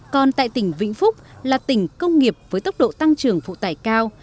còn tại tỉnh vĩnh phúc là tỉnh công nghiệp với tốc độ tăng trưởng phụ tải cao